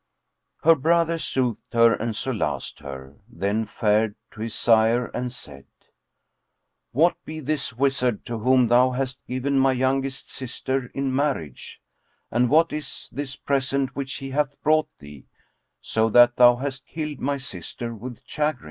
Her brother soothed her and solaced her, then fared to his sire and said, "What be this wizard to whom thou hast given my youngest sister in marriage, and what is this present which he hath brought thee, so that thou hast killed[FN#9] my sister with chagrin?